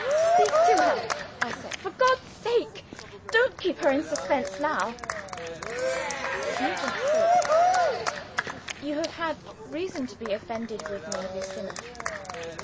"Speak to her," I said. "For God's sake, don't keep her in suspense, now!" Nugent spoke. "You have had reason to be offended with me, Lucilla.